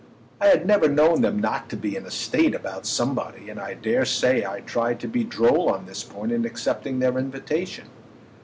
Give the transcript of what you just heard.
I had never known them not be in a "state" about somebody, and I dare say I tried to be droll on this point in accepting their invitation.